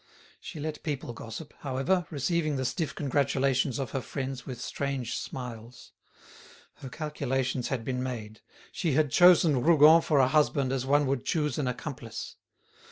She let people gossip, however, receiving the stiff congratulations of her friends with strange smiles. Her calculations had been made; she had chosen Rougon for a husband as one would choose an accomplice.